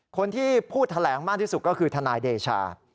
คนที่พูดแถลงมากที่สุดก็คือทนายเดชา